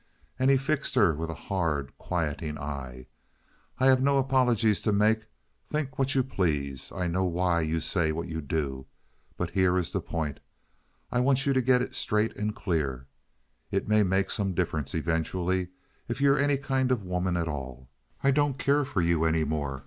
And he fixed her with a hard, quieting eye. "I have no apologies to make. Think what you please. I know why you say what you do. But here is the point. I want you to get it straight and clear. It may make some difference eventually if you're any kind of a woman at all. I don't care for you any more.